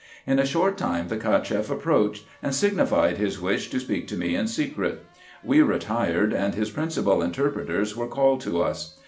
In a short time the Cacheff approached, and signified Iris wish to speak to me in secret. We retired, and Iris principal interpreters were called to us.